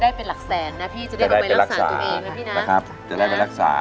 เราอยากให้ได้เป็นหลักแสนนะพี่จะได้ลงไปรักษาตัวเองนะพี่นะ